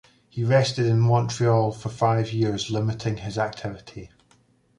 He rested in Montreal for five years, limiting his activity.